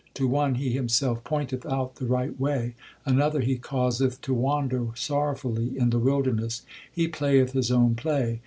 To one He Himself pointeth out the right way ; Another He causeth to wander sorrowfully in the wilder ness ; He playeth His own play.